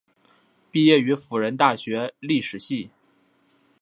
毕业于辅仁大学历史系。